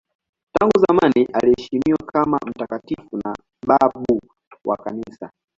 Tangu zamani anaheshimiwa kama mtakatifu na babu wa Kanisa.